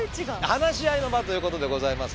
話し合いの場ということでございますので。